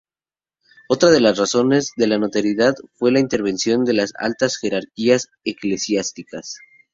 Otra de las razones de la notoriedad fue la intervención de altas jerarquías eclesiásticas.